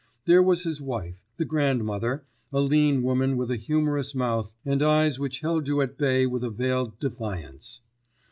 There was his wife, the grandmother, a lean woman with a humorous mouth and eyes which held you at bay with a veiled defiance.